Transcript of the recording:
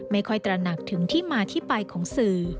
ไม่ค่อยตระหนักถึงที่มาที่ไปของสื่อ